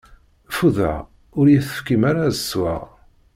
Fudeɣ, ur yi-tefkim ara ad sweɣ.